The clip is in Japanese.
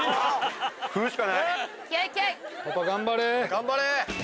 ・・頑張れ！